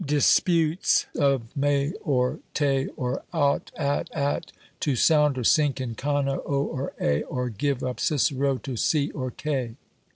Disputes of Me or Te, or Aut at At, To sound or sink in cano O or A, Or give up Cicero to C or K.